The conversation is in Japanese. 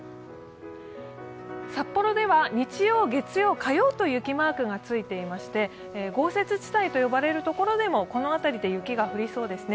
札幌では日曜、月曜、火曜と雪マークがついていまして豪雪地帯と呼ばれるところでも、この辺りで雪が降りそうですね。